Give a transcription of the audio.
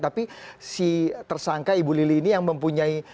tapi si tersangka ibu lili ini yang mempunyai